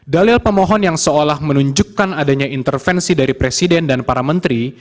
dalil pemohon yang seolah menunjukkan adanya intervensi dari presiden dan para menteri